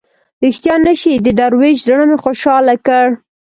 ریښتیا نه شي د دروېش زړه مې خوشاله کړ.